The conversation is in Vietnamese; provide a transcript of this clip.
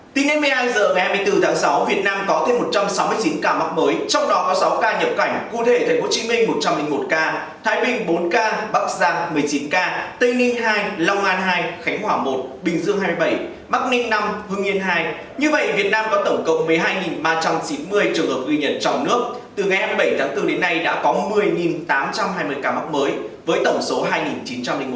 từ ngày hai mươi bảy tháng bốn đến nay đã có một mươi tám trăm hai mươi ca mắc mới với tổng số hai chín trăm linh một bệnh nhân khỏi bệnh